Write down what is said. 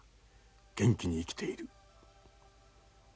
元気に生きている。